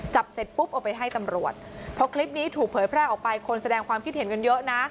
เสร็จปุ๊บเอาไปให้ตำรวจพอคลิปนี้ถูกเผยแพร่ออกไปคนแสดงความคิดเห็นกันเยอะนะ